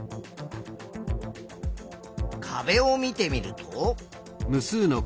壁を見てみると。